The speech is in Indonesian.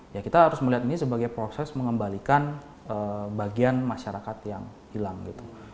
ya kita harus melihat ini sebagai proses mengembalikan bagian masyarakat yang hilang gitu